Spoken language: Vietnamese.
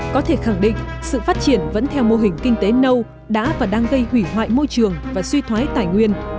có thể khẳng định sự phát triển vẫn theo mô hình kinh tế nâu đã và đang gây hủy hoại môi trường và suy thoái tài nguyên